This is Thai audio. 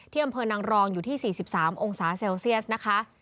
อำเภอนางรองอยู่ที่๔๓องศาเซลเซียสนะคะ